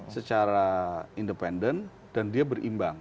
secara independen dan dia berimbang